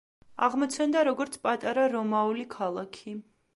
აღმოცენდა როგორც პატარა რომაული ქალაქი.